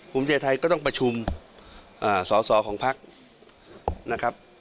ภูมิใจไทยก็ต้องประชุมสอสอของพักนะครับ